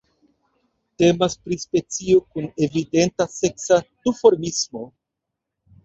Temas pri specio kun evidenta seksa duformismo.